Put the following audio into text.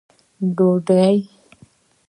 ډوډۍ